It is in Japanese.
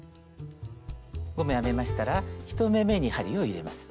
５目編めましたら１目めに針を入れます。